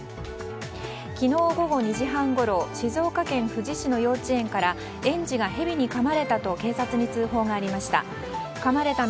昨日午後２時半ごろ静岡県富士市の幼稚園から園児がヘビにかまれたと警察に通報がありました。